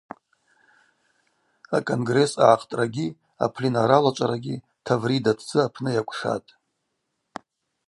А-Конгресс агӏахътӏрагьи апленар алачӏварагьи Таврида Тдзы апны йакӏвшатӏ.